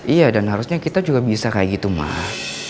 iya dan harusnya kita juga bisa kayak gitu mah